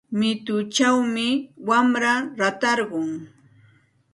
Mituchawmi wamra ratarqun.